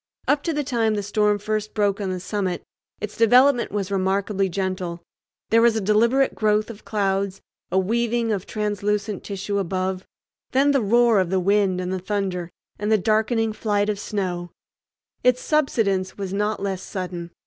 Up to the time the storm first broke on the summit its development was remarkably gentle. There was a deliberate growth of clouds, a weaving of translucent tissue above, then the roar of the wind and the thunder, and the darkening flight of snow. Its subsidence was not less sudden.